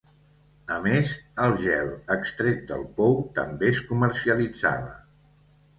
A més, el gel extret del pou també es comercialitzava.